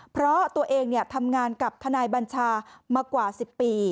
เพราะตัวเองทำงานกับทนายบัญชามากว่า๑๐ปี